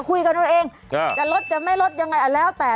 คุยกันเอาเองจะลดจะไม่ลดยังไงแล้วแต่